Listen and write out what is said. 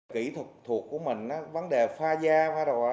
kỹ thuật thuộc của mình vấn đề pha da